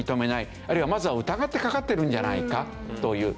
あるいはまずは疑ってかかってるんじゃないかという。